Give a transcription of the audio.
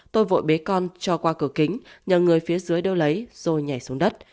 tôi vội bế con cho qua cửa kính nhờ người phía dưới đưa lấy rồi nhảy xuống đất